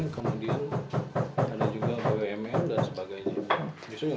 kemudian ada juga bumn dan sebagainya